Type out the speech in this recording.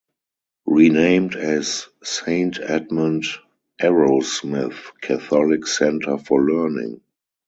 Renamed as 'Saint Edmund Arrowsmith Catholic Centre for Learning'.